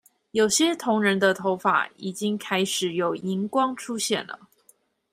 有些同仁的頭髮已經開始有銀光出現了